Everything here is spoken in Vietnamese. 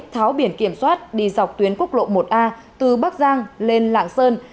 tháo biển kiểm soát đi dọc tuyến quốc lộ một a từ bắc giang lên lạng sơn